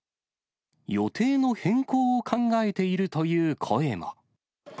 予定の変更を考えているという声も。